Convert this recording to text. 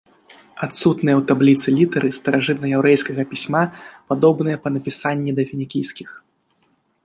Адсутныя ў табліцы літары старажытнаяўрэйскага пісьма падобныя па напісанні да фінікійскіх.